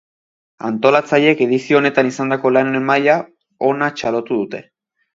Antolatzaileek edizio honetan izandako lanen maila ona txalotu dute.